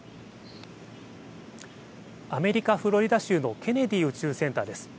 アメリカ・フロリダ州のケネディ宇宙センターです。